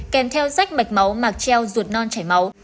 kèm theo rách mạch máu mạc treo ruột non chảy máu